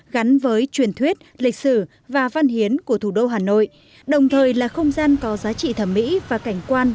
gắn với truyền thuyết lịch sử và văn hiến của thủ đô hà nội đồng thời là không gian có giá trị thẩm mỹ và cảnh quan